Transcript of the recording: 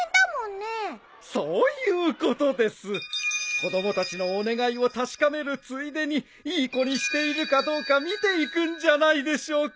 子供たちのお願いを確かめるついでにいい子にしているかどうか見ていくんじゃないでしょうか。